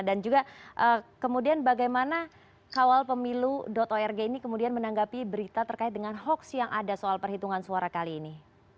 dan juga kemudian bagaimana kawalpemilu org ini kemudian menanggapi berita terkait dengan hoax yang ada soal perhitungan suara kali ini